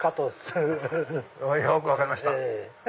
よく分かりました。